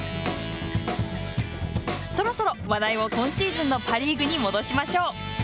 そろそろ話題を今シーズンのパ・リーグに戻しましょう。